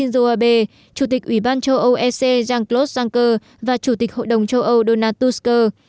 tô abe chủ tịch ủy ban châu âu ec jean claude juncker và chủ tịch hội đồng châu âu donald tusker